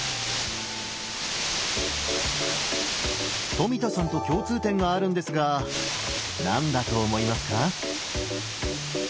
富田さんと共通点があるんですが何だと思いますか？